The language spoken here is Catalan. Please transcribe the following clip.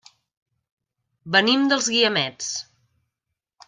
Venim dels Guiamets.